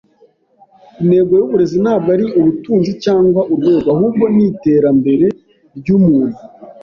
Intego yuburezi ntabwo ari ubutunzi cyangwa urwego, ahubwo ni iterambere ryumuntu.